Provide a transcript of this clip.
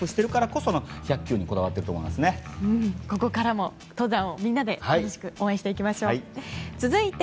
ここからも登山をみんなで楽しく応援していきましょう。